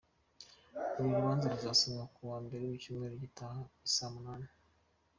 Uru rubanza ruzasomwa ku wa mbere w’icyumweru gitaha i saa munani.